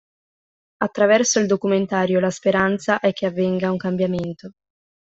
Attraverso il documentario la speranza è che avvenga un cambiamento.